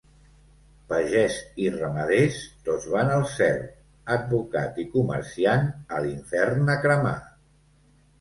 Pagès i ramader tots van al cel; advocat i comerciant, a l'infern a cremar.